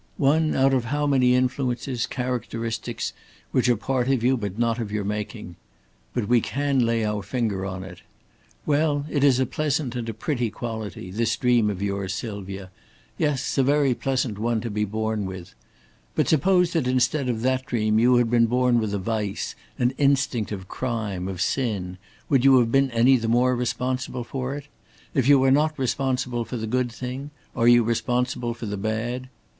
One out of how many influences, characteristics which are part of you but not of your making! But we can lay our finger on it. Well, it is a pleasant and a pretty quality this dream of yours, Sylvia yes, a very pleasant one to be born with. But suppose that instead of that dream you had been born with a vice, an instinct of crime, of sin, would you have been any the more responsible for it? If you are not responsible for the good thing, are you responsible for the bad?